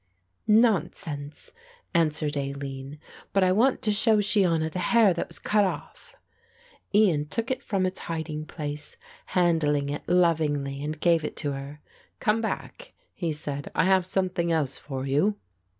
"Nonsense," answered Aline, "but I want to show Shiona the hair that was cut off." Ian took it from its hiding place, handling it lovingly and gave it her. "Come back," he said, "I have something else for you."